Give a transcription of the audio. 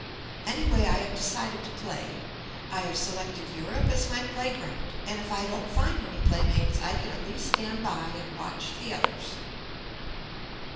Anyway I have decided to play. I have selected Europe as my play ground, and if I don't find any playmates I can at least stand by and watch the others."